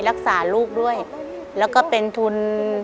รักษาลูกด้วยแล้วก็เป็นทุน